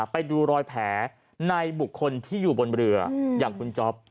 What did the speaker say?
ไปดูรอยแผลในบุคคลที่อยู่บนเรืออย่างคุณจ๊อป